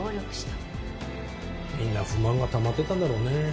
みんな不満がたまってたんだろうね。